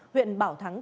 huyện bảo thắng